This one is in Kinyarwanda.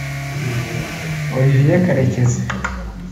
Olivier Karekezi